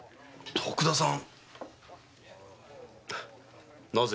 徳田さん。